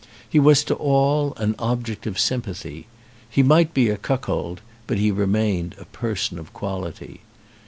He was to all an object of sympathy. He might be a cuckold, but he re mained a person of quality.